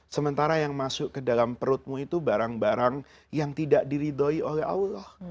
sementara yang masuk ke dalam perutmu itu barang barang yang tidak diridoi oleh allah